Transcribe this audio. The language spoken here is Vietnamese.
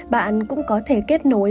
bạn cũng có thể kết nối